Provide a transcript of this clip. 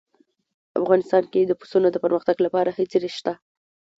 افغانستان کې د پسونو د پرمختګ لپاره هڅې شته.